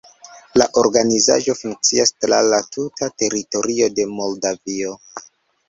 La organizaĵo funkcias tra la tuta teritorio de Moldavio.